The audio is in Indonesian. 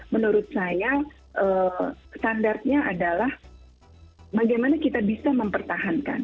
menurut saya standarnya adalah bagaimana kita bisa mempertahankan